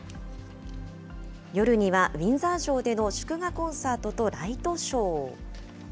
夜にはウィンザー城での祝賀コンサートとライトショー。